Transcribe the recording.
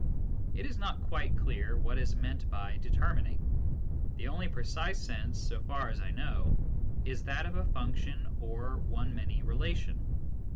It is not quite clear what is meant by " determining "; the only precise sense, so far as I know, is that of a function or one many relation.